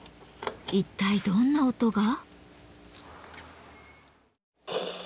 一体どんな音が？